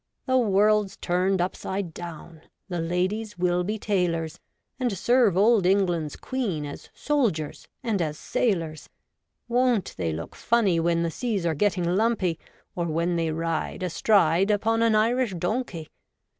The world's turned upside down ; The ladies will be tailors, And serve Old England's Queen As soldiers and as sailors. Won't they look funny when The seas are getting lumpy, Or when they ride astride Upon an Irish donkey